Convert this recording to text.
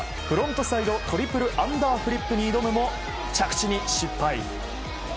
フロントサイド・トリプルアンダーフリップに挑むも着地に失敗。